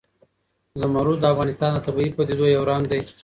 زمرد د افغانستان د طبیعي پدیدو یو رنګ دی.